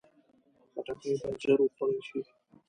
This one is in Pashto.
خټکی باید ژر وخوړل شي.